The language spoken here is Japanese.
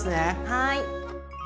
はい！